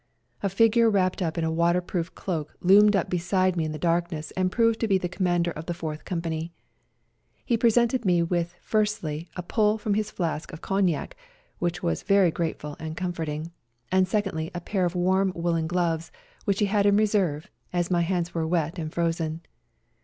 A figure wrapped up in a waterproof cloak loomed up beside me in the darkness and proved to be the Commander of the Fourth Company. He presented me with firstly a pull from his flask of cognac, which was very grateful and comforting, and secondly a pair of warm woollen gloves, which he had in reserve, as my hands were wet and frozen.